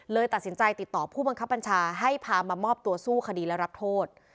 ตัดสินใจติดต่อผู้บังคับบัญชาให้พามามอบตัวสู้คดีและรับโทษ